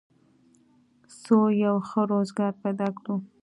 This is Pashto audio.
څو یو ښه روزګار پیدا کړو